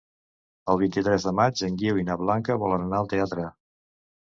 El vint-i-tres de maig en Guiu i na Blanca volen anar al teatre.